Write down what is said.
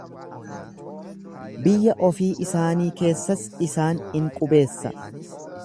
Biyya ofii isaanii keessas isaan ni qubeessa.